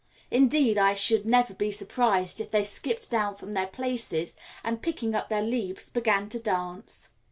Indeed, I should never be surprised if they skipped down from their places, and, picking up their leaves, began to dance.